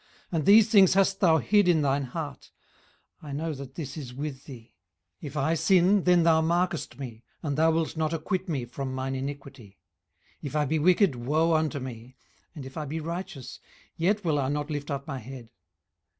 18:010:013 And these things hast thou hid in thine heart: I know that this is with thee. 18:010:014 If I sin, then thou markest me, and thou wilt not acquit me from mine iniquity. 18:010:015 If I be wicked, woe unto me; and if I be righteous, yet will I not lift up my head.